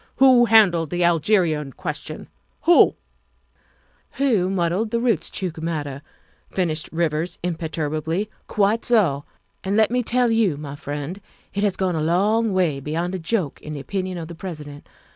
Who handled the Algerian question? Who " Who muddled the Roostchook matter?" finished Rivers imperturbably. " Quite so. And let me tell you, my friend, it has gone a long way beyond a joke in the opinion of the President.